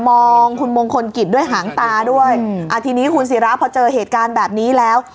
มองคุณมงคลกิจด้วยหางตาด้วยอ่าทีนี้คุณศิราพอเจอเหตุการณ์แบบนี้แล้ว